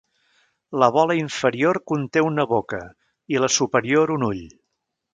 La bola inferior conté una boca, i la superior un ull.